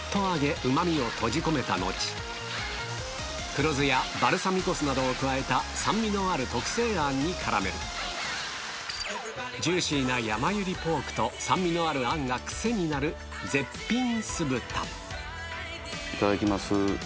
うま味を閉じ込めた後酸味のある特製あんに絡めるジューシーなやまゆりポークと酸味のあるあんが癖になる絶品酢豚いただきます。